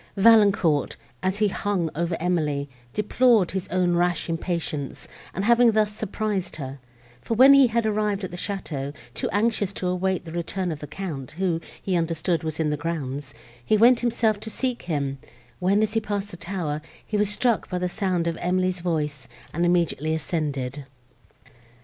Valancourt, as he hung over Emily, deplored his own rash impatience, in having thus surprised her: for when he had arrived at the château, too anxious to await the return of the Count, who, he understood, was in the grounds, he went himself to seek him, when, as he passed the tower, he was struck by the sound of Emily's voice, and immediately ascended.